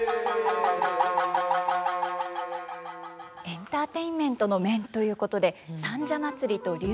エンターテインメントの面ということで「三社祭」と「流星」